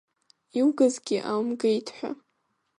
Иугазгьы ааумгеит ҳәа…